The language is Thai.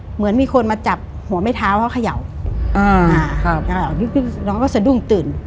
เหมือนมีคนมาจับหัวไม่เท้าเขาเขย่าอ่าครับน้องก็สะดุ้งตื่น